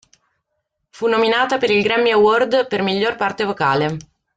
Fu nominata per il Grammy Award per Miglior Parte Vocale.